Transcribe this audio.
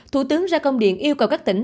thủ tướng ra công điện yêu cầu các tỉnh